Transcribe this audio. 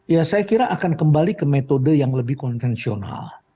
ya saya kira akan kembali ke metode yang lebih konvensional